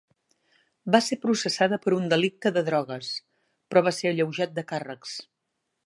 Va ser processada per un delicte de drogues, però va ser alleujat de càrrecs.